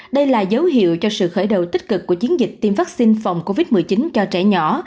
đây là dấu hiệu cho sự khởi đầu tích cực của chiến dịch tiêm vaccine phòng covid một mươi chín cho trẻ nhỏ